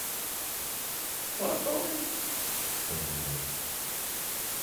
“What a story!” exclaimed his wife.